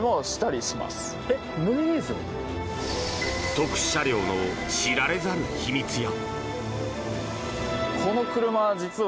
特殊車両の知られざる秘密や。